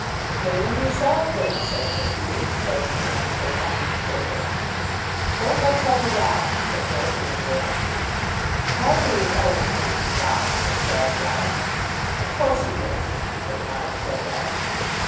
"Pay them yourself, then," said Sir Felix, laying a handful down on the table. "Don't let's have a row," said Lord Nidderdale. "Carbury is always making a row," said Grasslough. "Of course he is," said Miles Grendall.